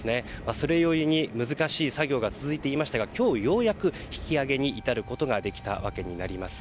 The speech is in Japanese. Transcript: それ故に難しい作業が続いていましたが今日、ようやく引き揚げに至ることができたわけになります。